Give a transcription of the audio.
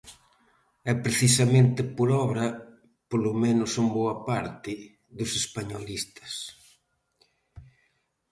E precisamente por obra, polo menos en boa parte, dos españolistas.